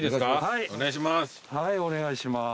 はいお願いします。